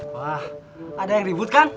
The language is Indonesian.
wah ada yang ribut kan